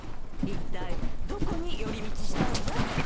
いったいどこに寄り道したんだい？